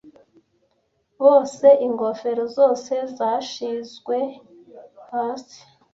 bose ingofero zose zashizwe hasi